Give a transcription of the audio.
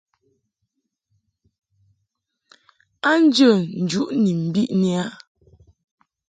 A njə njuʼ ni mbiʼni a.